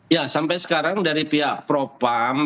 ya sampai sekarang dari pihak propam